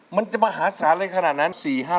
มันจะมหาศาสตร์เลยขนาดนั้น๔๕๐๐